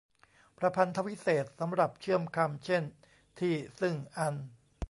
ประพันธวิเศษณ์ สำหรับเชื่อมคำ เช่น ที่ ซึ่ง อัน